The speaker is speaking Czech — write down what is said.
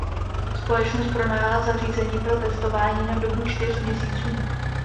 Společnost pronajala zařízení pro testování na dobu čtyř měsíců.